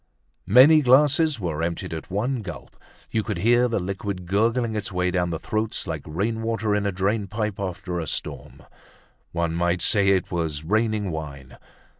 Many glasses were emptied at one gulp. You could hear the liquid gurgling its way down the throats like rainwater in a drainpipe after a storm. One might say it was raining wine.